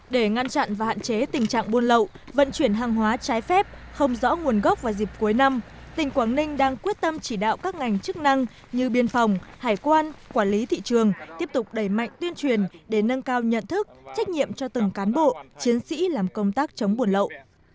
để ngăn chặn và hạn chế tình trạng buôn lậu vận chuyển hàng hóa trái phép không rõ nguồn gốc vào dịp cuối năm tỉnh quảng ninh đang quyết tâm chỉ đạo các ngành chức năng như biên phòng hải quan quản lý thị trường tiếp tục đẩy mạnh tuyên truyền để nâng cao nhận thức trách nhiệm cho từng cán bộ chiến sĩ làm công tác chống buôn lậu